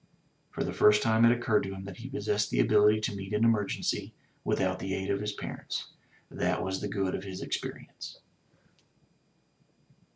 For the first time it occurred to him that he possessed the ability to meet an emergency without the aid of his parents — ^that was the good of his experience.